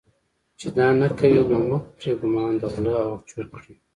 چې دا نه کوي یې نومه پرې ګومان د غله او چور کړي.